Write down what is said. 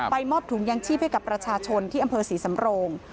มอบถุงยางชีพให้กับประชาชนที่อำเภอศรีสำโรง